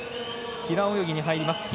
平泳ぎに入ります。